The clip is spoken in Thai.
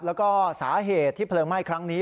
แล้วก็สาเหตุที่เพลิงไหม้ครั้งนี้